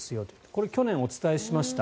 これは去年お伝えしました。